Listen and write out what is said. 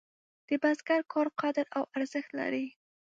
د بزګر کار قدر او ارزښت لري.